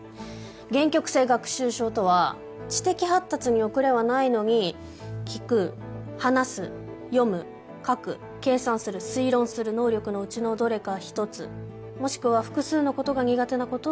限局性学習症とは知的発達に遅れはないのに聞く話す読む書く計算する推論する能力のうちのどれか一つもしくは複数の事が苦手な事をいう。